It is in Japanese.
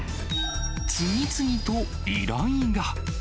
次々と依頼が。